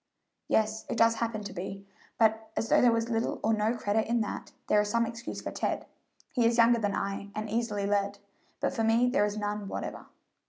"Yes, it does happen to be but, as though there was little or no credit in that, there is some excuse for Ted he is younger than I and easily led; but for me there is none whatever."